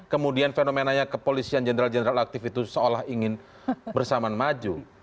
kemudian fenomenanya kepolisian general general aktif itu seolah ingin bersamaan maju